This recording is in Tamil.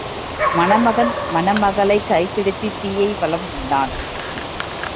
மணமகன் மணமகளைக் கைப்பிடித்துத் தீயை வலம் வந்தான்.